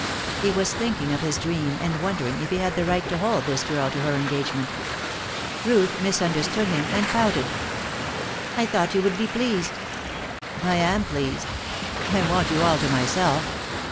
He was thinking of his dream and wondering if he had the right to hold this girl to her engagement. Ruth misunderstood him and pouted. "I thought you would be pleased." "I am pleased. I want you all to myself.